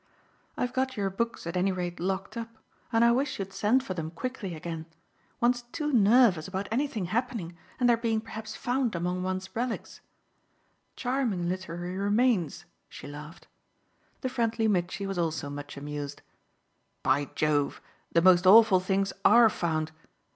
"I've got your books at any rate locked up and I wish you'd send for them quickly again; one's too nervous about anything happening and their being perhaps found among one's relics. Charming literary remains!" she laughed. The friendly Mitchy was also much amused. "By Jove, the most awful things ARE found!